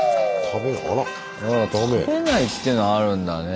食べないっていうのあるんだね。